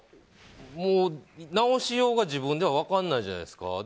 直しようが自分では分からないじゃないですか。